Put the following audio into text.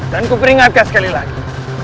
dan ku peringatkan sekali lagi